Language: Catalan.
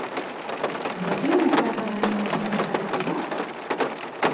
Vol fer una casa de nines interactiva?